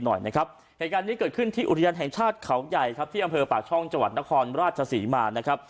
เหตุการณ์นี้เกิดขึ้นที่อุทยานแห่งชาติเขาใหญ่ที่อำเภอปากช่องจังหวัดนครราชศรีมาร